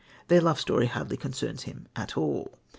Their love story hardly concerns him at all.